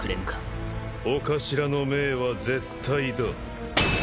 御頭の命は絶対だ。